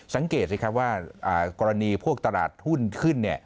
สังเกตสิครับว่ากรณีพวกตลาดหุ้นขึ้น